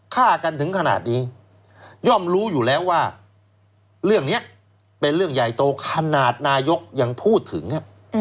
ฆ่ากันถึงขนาดนี้ย่อมรู้อยู่แล้วว่าเรื่องนี้เป็นเรื่องใหญ่โตขนาดนายกยังพูดถึง